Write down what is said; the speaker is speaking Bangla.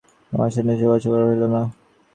আসন্ন বিপদের লক্ষণ তাঁর অগোচর রহিল না।